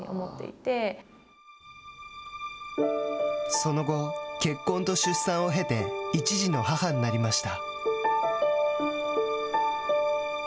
その後、結婚と出産を経て１児の母になりました。